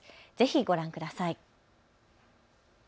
ぜひご覧ください。